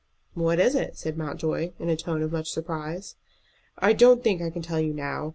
"What is it?" said Mountjoy, in a tone of much surprise. "I don't think I can tell you now.